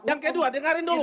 yang kedua dengarin dulu